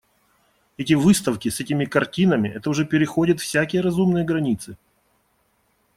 Эти выставки с этими картинами, это уже переходит всякие разумные границы.